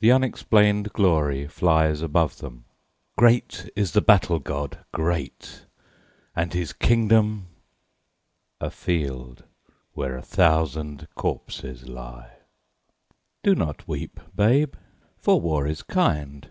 The unexplained glory flies above them, Great is the battle god, great, and his kingdom A field where a thousand corpses lie. Do not weep, babe, for war is kind.